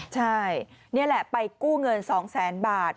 ใช่นี่แหละไปกู้เงิน๒แสนบาท